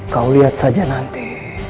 kau lihat saja nanti